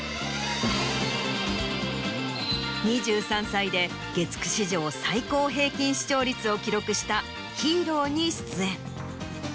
２３歳で月９史上最高平均視聴率を記録した『ＨＥＲＯ』に出演。